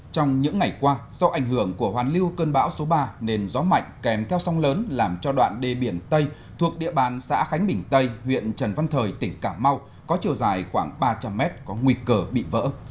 trong những ngày qua do ảnh hưởng của hoàn lưu cơn bão số ba nền gió mạnh kèm theo sông lớn làm cho đoạn đê biển tây thuộc địa bàn xã khánh bình tây huyện trần văn thời tỉnh cà mau có chiều dài khoảng ba trăm linh m có nguy cơ bị vỡ